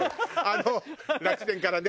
楽天からね。